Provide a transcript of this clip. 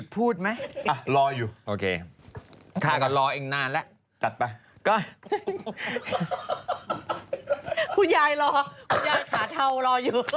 พูดยายรอพูดยายขาเทารออยู่